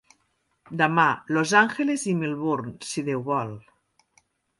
Demà, Los Angeles i Melbourne, si Déu vol.